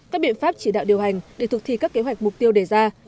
các biện pháp chỉ đạo điều hành để thực thi các kế hoạch mục tiêu đề ra